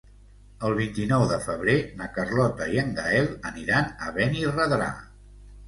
El vint-i-nou de febrer na Carlota i en Gaël aniran a Benirredrà.